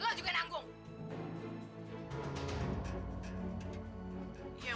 iya mbak saya akan langsung dimiankan